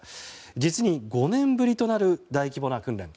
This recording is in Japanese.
実に５年ぶりとなる大規模な訓練。